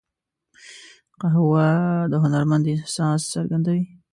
قهوه د هنرمند احساس څرګندوي